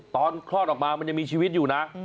คลอดออกมามันยังมีชีวิตอยู่นะ